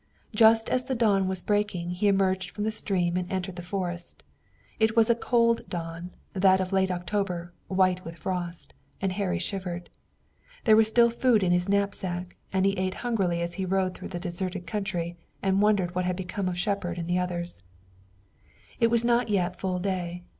Just as the dawn was breaking he emerged from the stream and entered the forest. It was a cold dawn, that of late October, white with frost, and Harry shivered. There was still food in his knapsack, and he ate hungrily as he rode through the deserted country, and wondered what had become of Shepard and the others. It was not yet full day.